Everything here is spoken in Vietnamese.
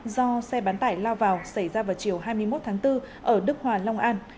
do xe bán tải lao vào xảy ra vào chiều hai mươi một tháng bốn ở đức hòa long an